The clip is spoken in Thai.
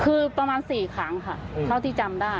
คือประมาณ๔ครั้งค่ะเท่าที่จำได้